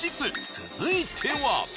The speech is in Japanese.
続いては。